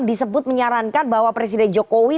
disebut menyarankan bahwa presiden jokowi